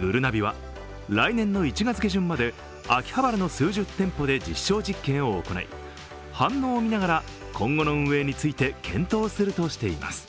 ぐるなびは来年の１月下旬まで秋葉原の数十店舗で実証実験を行い反応を見ながら今後の運営について検討するとしています。